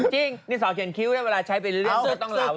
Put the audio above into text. จริงดินสอเขียนคิ้วแล้วเวลาใช้เป็นเรื่องศึกต้องเหล่า